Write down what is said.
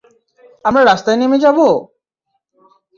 আমরা রাস্তায় নেমে যাবো!